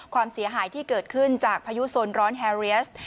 ความเสียหายที่เกิดขึ้นจากพายุโซนร้อนแฮเรียส